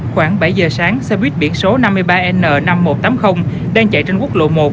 khoảng bảy giờ sáng xe buýt biển số năm mươi ba n năm nghìn một trăm tám mươi đang chạy trên quốc lộ một